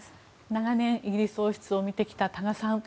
長年、イギリス王室を見てきた多賀さん。